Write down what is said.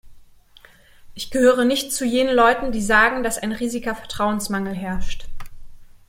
Ich gehöre nicht zu jenen Leuten, die sagen, dass ein riesiger Vertrauensmangel herrscht.